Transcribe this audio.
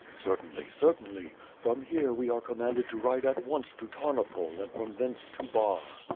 "Certainly; certainly. From here, we are commanded to ride at once to Tarnopol and from thence to Bar."